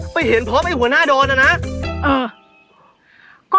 แบบนี้ก็ได้